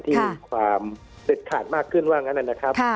ที่มีความเด็ดขาดมากขึ้นว่างั้นนะครับ